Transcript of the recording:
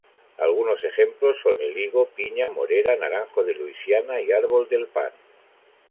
Algunos ejemplos son el higo, piña, morera, naranjo de Luisiana y árbol del pan.